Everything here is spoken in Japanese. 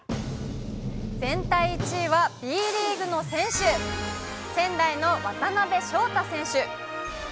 全体１位はＢリーグの選手、仙台の渡辺翔太選手。